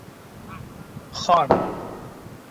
Хан.